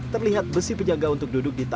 terlihat besi penjaga untuk duduk di tangga